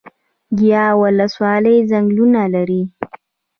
ګیان ولسوالۍ ځنګلونه لري؟